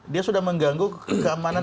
dia sudah mengganggu keamanan